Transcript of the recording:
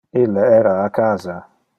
Ille era a casa.